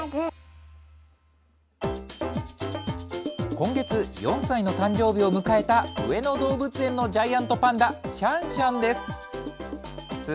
今月、４歳の誕生日を迎えた上野動物園のジャイアントパンダ、シャンシャンです。